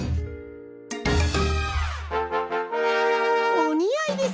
おにあいです！